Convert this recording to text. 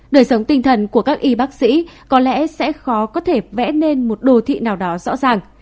đời sống tinh thần của các y bác sĩ có lẽ sẽ khó có thể vẽ nên một đô thị nào đó rõ ràng